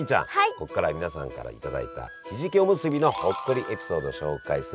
ここからは皆さんから頂いたひじきおむすびのほっこりエピソードを紹介するコーナーです！